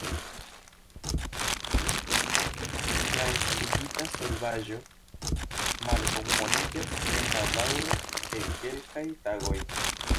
La estigita solvaĵo malkomponiĝas en la daŭro de kelkaj tagoj.